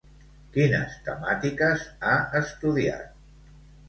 Quines temàtiques ha estudiat?